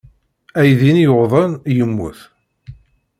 Aydi-nni yuḍen, yemmut.